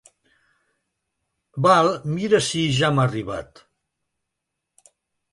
Val, mira sí ja m'ha arribat.